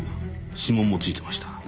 指紋もついてました。